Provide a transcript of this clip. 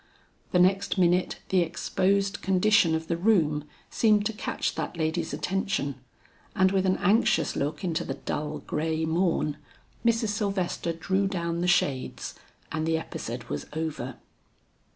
The next minute the exposed condition of the room seemed to catch that lady's attention, and with an anxious look into the dull gray morn, Mrs. Sylvester drew down the shades, and the episode was over.